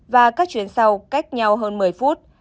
và các chuyến sau cách nhau hơn một mươi phút